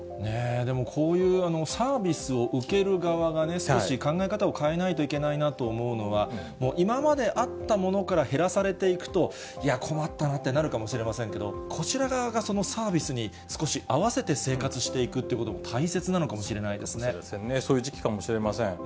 でもこういうサービスを受ける側がね、少し考え方を変えないといけないなと思うのは、今まであったものから減らされていくと、いや、困ったなってなるかもしれませんけど、こちら側がそのサービスに少し合わせて生活していくということもそういう時期かもしれません。